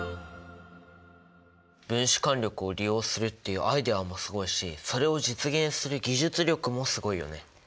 分子間力を利用するっていうアイデアもすごいしそれを実現する技術力もすごいよね。